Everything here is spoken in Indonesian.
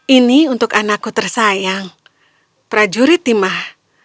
ini untuk anakku tersayang prajurit timah